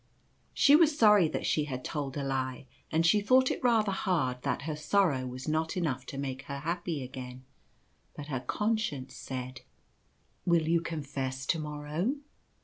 She was sorry that she had told a lie, and she thought it rather hard that her sorrow was not enough to make her happy again ; but her conscience said — li Will you confess to morrow?